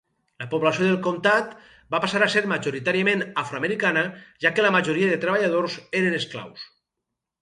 La població del comtat va passar a ser majoritàriament afroamericana, ja que la majoria de treballadors eren esclaus.